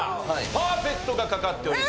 パーフェクトがかかっております。